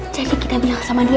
jadi kita bilang sama dia